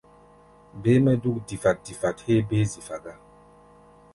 Béé-mɛ́ dúk difat-difat héé béé zifa gá.